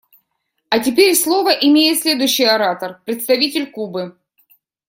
А теперь слово имеет следующий оратор − представитель Кубы.